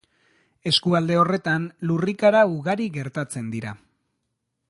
Eskualde horretan lurrikara ugari gertatzen dira.